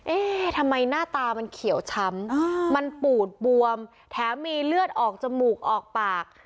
เอ๊ะทำไมหน้าตามันเขียวช้ำมันปูดบวมแถมมีเลือดออกจมูกออกปาก